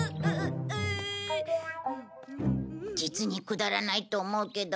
実にくだらないと思うけど。